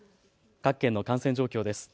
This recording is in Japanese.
各県の感染状況です。